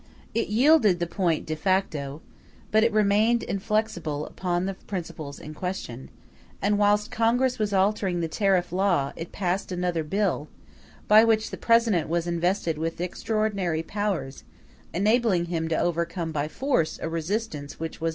It yielded the point de facto, but it remained inflexible upon the principles in question; and whilst Congress was altering the tariff law, it passed another bill, by which the President was invested with extraordinary powers, enabling him to overcome by force a resistance which was then no longer to be apprehended.